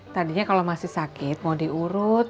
tadinya kalau masih sakit mau diurut